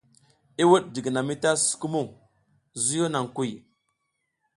I wuɗ jiginami ta sukumuŋ, zuyo naŋ kuy.